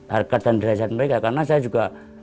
harkat dan derajat mereka karena saya juga